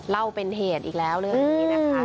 เล่าเป็นเหตุอีกแล้วเรื่องนี้นะคะ